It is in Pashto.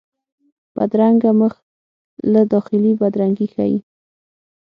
بدرنګه مخ له داخلي بدرنګي ښيي